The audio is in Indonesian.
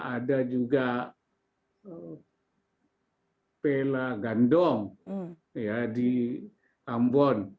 ada juga pela gandong di ambon